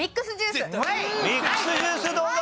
ミックスジュースどうだ？